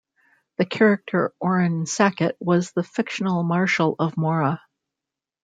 The character Orrin Sackett was the fictional Marshal of Mora.